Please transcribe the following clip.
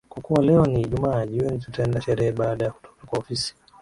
Kwa kuwa leo ni ijumaa, jioni tutaenda sherehe baada ya kutoka kwa ofisi.